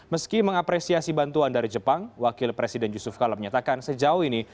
meski mengapresiasi bantuan dari jepang wakil presiden yusuf kala menyatakan sejauh ini